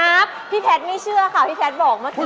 พี่แพทย์ไม่เชื่อค่ะพี่แพทย์บอกเมื่อกี้